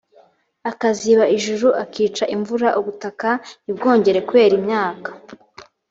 akaziba ijuru, akica imvura, ubutaka ntibwongere kwera imyaka,